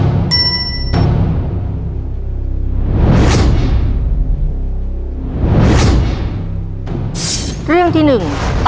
คำถามทั้งหมด๕เรื่องมีดังนี้ครับ